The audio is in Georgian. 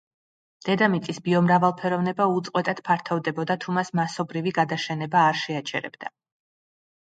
დედამიწის ბიომრავალფეროვნება უწყვეტად ფართოვდებოდა, თუ მას მასობრივი გადაშენება არ შეაჩერებდა.